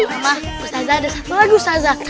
ustazah ada satu lagu ustazah